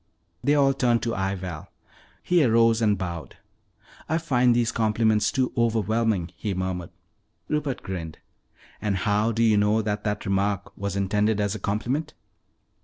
They all turned to eye Val. He arose and bowed. "I find these compliments too overwhelming," he murmured. Rupert grinned. "And how do you know that that remark was intended as a compliment?"